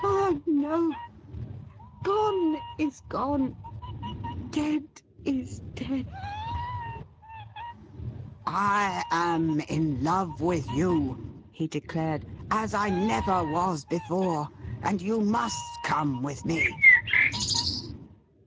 Ah, no ! Gone is gone ; dead is dead !'' I am in love with you,' he declared, ' as I never was before, and you must come with me.'